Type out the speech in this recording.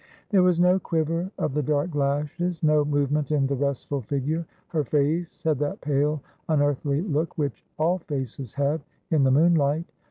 There was no quiver of the dark lashes, no movement in the restful figure. Her face had that pale unearthly look which all faees have in the moonlight.